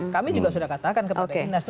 kami juga sudah katakan kepada dinas